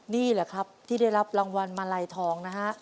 นี่แหละครับที่ได้รับรางวัลมาลัยทองนะฮะ